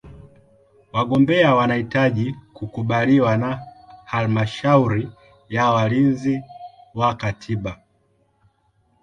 Wagombea wanahitaji kukubaliwa na Halmashauri ya Walinzi wa Katiba.